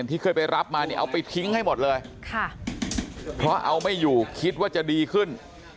ที่เคยไปรับมาเนี่ยเอาไปทิ้งให้หมดเลยเพราะเอาไม่อยู่คิดว่าจะดีขึ้น